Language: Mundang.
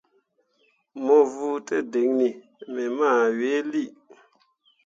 Mo vuu tǝdiŋni me mah yie bii.